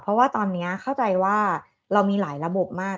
เพราะว่าตอนนี้เข้าใจว่าเรามีหลายระบบมาก